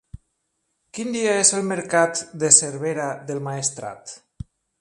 Quin dia és el mercat de Cervera del Maestrat?